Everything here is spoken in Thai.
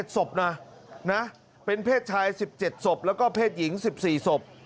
ศพนะเป็นเพศชาย๑๗ศพแล้วก็เพศหญิง๑๔ศพ